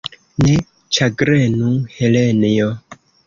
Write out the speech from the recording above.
Ne ĉagrenu, Helenjo!